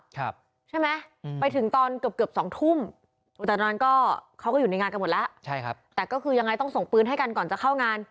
ใช่ไหมไปถึงตอนเกือบ๒ทุ่มอุตสนานก็เขาก็อยู่ในงานกันหมดแล้วแต่ก็คือยังไงต้องส่งปืนให้กันก่อนจะเข้างาน